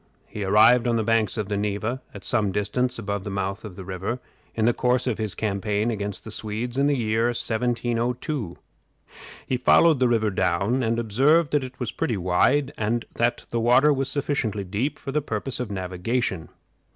He arrived on the banks of the Neva, at some distance above the mouth of the river, in the course of his campaign against the Swedes in the year 1702. He followed the river down, and observed that it was pretty wide, and that the water was sufficiently deep for the purpose of navigation.